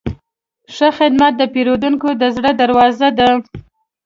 ښه خدمت د پیرودونکي د زړه دروازه ده.